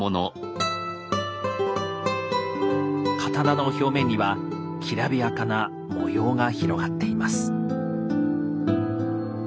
刀の表面にはきらびやかな模様が広がっています。